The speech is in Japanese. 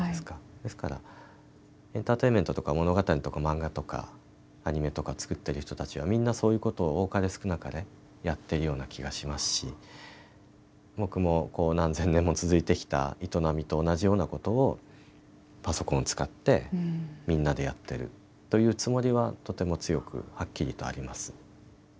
ですからエンターテインメントとか物語とか漫画とかアニメとかを作ってる人たちはみんな、そういうことを多かれ少なかれやっているような気がしますし僕も、何千年も続いてきた営みと同じようなことをパソコンを使ってみんなでやってるというつもりはとても強く、はっきりとあります。